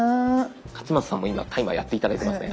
勝俣さんも今タイマーやって頂いてますね。